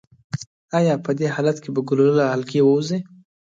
ایا په دې حالت کې به ګلوله له حلقې ووځي؟